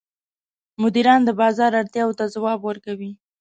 مدیران د بازار اړتیاوو ته ځواب ورکوي.